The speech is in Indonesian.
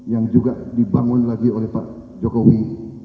yang juga dibangun lagi oleh pak jokowi